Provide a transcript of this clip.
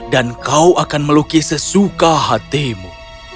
dan kau akan melukis sesuka hatimu